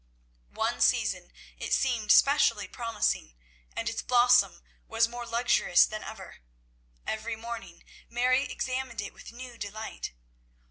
One season it seemed specially promising, and its blossom was more luxurious than ever. Every morning Mary examined it with new delight.